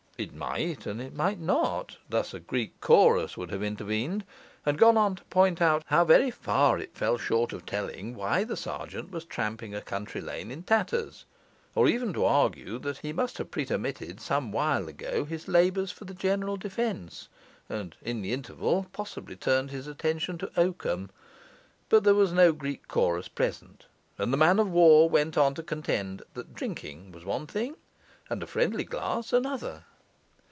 It might and it might not, thus a Greek chorus would have intervened, and gone on to point out how very far it fell short of telling why the sergeant was tramping a country lane in tatters; or even to argue that he must have pretermitted some while ago his labours for the general defence, and (in the interval) possibly turned his attention to oakum. But there was no Greek chorus present; and the man of war went on to contend that drinking was one thing and a friendly glass another.